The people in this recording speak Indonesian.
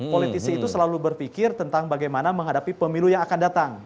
politisi itu selalu berpikir tentang bagaimana menghadapi pemilu yang akan datang